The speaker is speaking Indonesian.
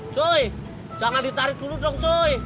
cuy jangan ditarik dulu dong cuy